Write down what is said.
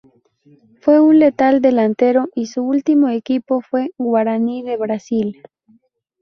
Fue un letal delantero y su último equipo fue Guarani de Brasil.